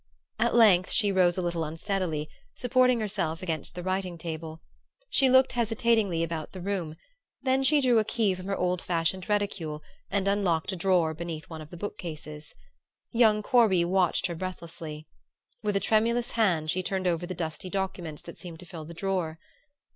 At length she rose a little unsteadily, supporting herself against the writing table. She looked hesitatingly about the room; then she drew a key from her old fashioned reticule and unlocked a drawer beneath one of the book cases. Young Corby watched her breathlessly. With a tremulous hand she turned over the dusty documents that seemed to fill the drawer.